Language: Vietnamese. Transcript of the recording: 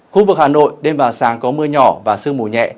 khu vực hà nội đêm và sáng có mưa nhỏ và sương mù nhẹ